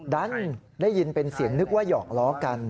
ดันได้ยินเป็นเสียงนึกว่าหยอกล้อกัน